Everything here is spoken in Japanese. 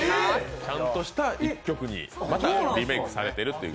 ちゃんとした一曲にまたリメークされていると。